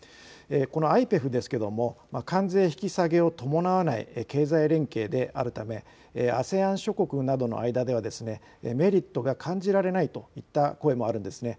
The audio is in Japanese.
このＩＰＥＦですけれども関税引き下げを伴わない経済連携であるためＡＳＥＡＮ諸国などの間ではメリットが感じられないといった声もあるんです。